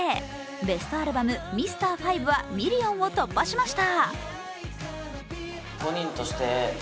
ベストアルバム「Ｍｒ．５」はミリオンを突破しました。